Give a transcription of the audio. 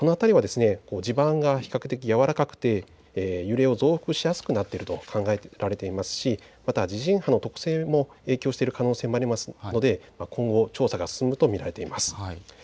この辺りは地盤が比較的やわらかくて揺れを増幅しやすくなっていると考えられますし、また地震波の特性も影響している可能性がありますので今後、調査が進むと見られています。